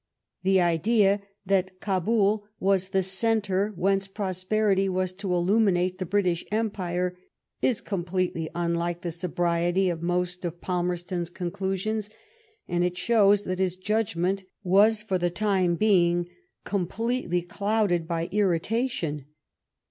The idea that Cabol was the centre whence prosperity was to illumi nate the British Empire, is completely nnlike the sobriety of most of Palmerston's conclusions, and shows that his judgment was for the time being completely clouded by irritation.